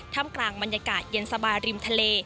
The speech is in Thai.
กลางบรรยากาศเย็นสบายริมทะเล